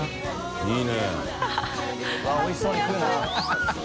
いいね。